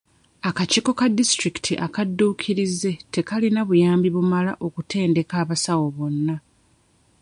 Akakiiko ka disitulikiti akadduukirize tekaalina buyambi bumala okutendeka abasawo bonna.